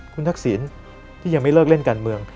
คุณทักษิณที่ยังไม่เลิกเล่นการเมือง